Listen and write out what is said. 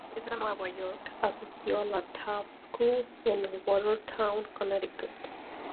Nacido en Nueva York, asistió a la Taft School en Watertown, Connecticut.